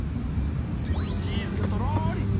チーズがとろり。